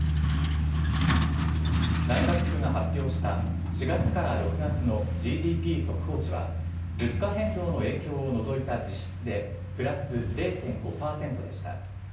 内閣府が発表した４月から６月のＧＤＰ速報値は、物価変動の影響を除いた実質で、プラス０．５％でした。